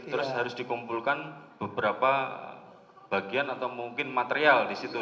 terus harus dikumpulkan beberapa bagian atau mungkin material di situ